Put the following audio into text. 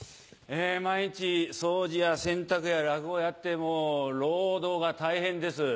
毎日掃除や洗濯や落語やってもう労働が大変です。